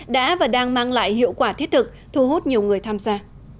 đã và đang mang lại hiệu quả thiết thực thu hút nhiều người tham gia